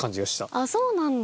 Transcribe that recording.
あっそうなんだ。